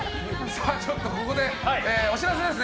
ちょっとここでお知らせです。